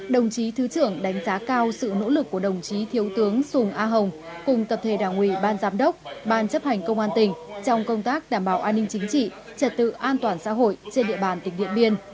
đồng chí thứ trưởng đánh giá cao sự nỗ lực của đồng chí thiếu tướng sùng a hồng cùng tập thể đảng ủy ban giám đốc ban chấp hành công an tỉnh trong công tác đảm bảo an ninh chính trị trật tự an toàn xã hội trên địa bàn tỉnh điện biên